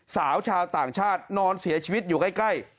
สาวชาวต่างชาตินอนเสียชีวิตอยู่ใกล้